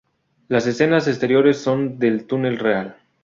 Las escenas exteriores son del túnel real.